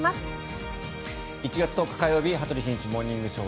１月１０日、火曜日「羽鳥慎一モーニングショー」。